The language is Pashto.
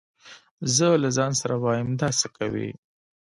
زه له ځان سره وايم دا څه کوي.